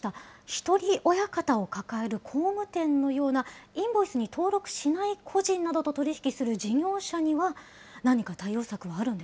一人親方を抱える工務店のような、インボイスに登録しない個人などと取り引きする事業者には何か対